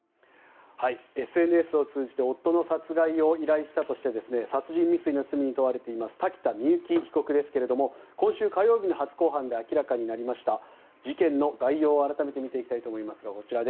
ＳＮＳを通じて夫の殺害を依頼したとして殺人未遂の罪に問われています瀧田深雪被告ですが今週火曜日の初公判で明らかになりました事件の概要を改めて見ていきたいと思います。